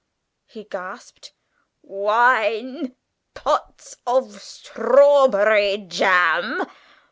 he gasped; "wine, pots of strawberry jam!